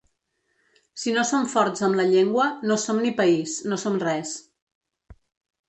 Si no som forts amb la llengua, no som ni país, no som res.